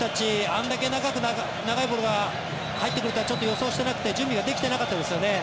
あれだけ長いボールが入ってくるとはちょっと予想してなくて準備ができてなかったですよね。